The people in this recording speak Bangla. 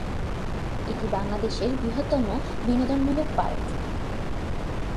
এটি বাংলাদেশের বৃহত্তম বিনোদনমূলক পার্ক।